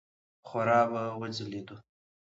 خورا به وځلېدو.